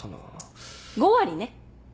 ５割ね。